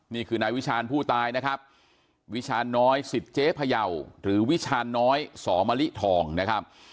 นี่คือนายวิชาญผู้ตายนะครับวิชาณน้อยสิทธิ์เจ๊พยาวหรือวิชาณน้อยสมะลิทองนะครับ